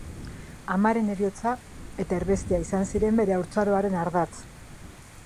Amaren heriotza eta erbestea izan ziren bere haurtzaroaren ardatz.